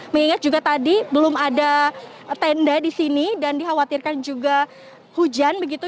mengingat juga tadi belum ada tenda di sini dan dikhawatirkan juga hujan begitu